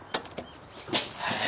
はい。